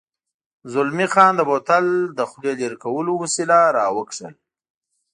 زلمی خان د بوتل د خولې لرې کولو وسیله را وکاږل.